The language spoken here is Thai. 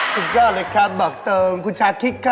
สุดยอดเลยครับบอกเติมคุณชาคิกครับ